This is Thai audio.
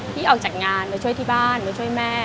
ที่ออกจากงานมาช่วยที่บ้านมาช่วยแม่